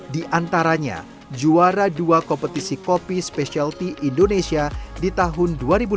di antaranya juara dua kompetisi kopi speciality indonesia di tahun dua ribu lima belas